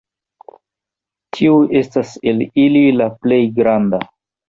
Tiu estas el ili la plej granda.